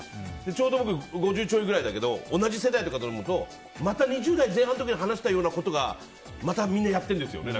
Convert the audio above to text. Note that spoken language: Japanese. ちょうど僕５０ちょいくらいだけど同じ世代と飲むとまた２０代前半の時に話したようなことをみんなやってるんですね。